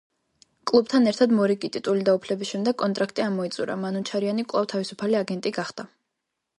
კლუბთან ერთად მორიგი ტიტული დაუფლების შემდეგ კონტრაქტი ამოიწურა, მანუჩარიანი კვლავ თავისუფალი აგენტი გახდა.